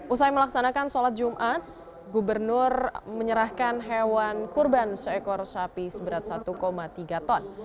usai melaksanakan sholat jumat gubernur menyerahkan hewan kurban seekor sapi seberat satu tiga ton